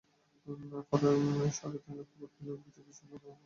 ফলে সাড়ে তিন লাখ ভোট পেলেও বিজেপির স্বপ্ন পূরণ হওয়া কঠিন।